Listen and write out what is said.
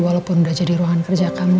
walaupun udah jadi ruangan kerja kamu